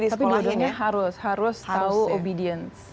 tapi dua duanya harus harus tahu obedience